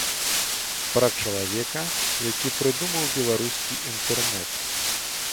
Пра чалавека, які прыдумаў беларускі інтэрнэт.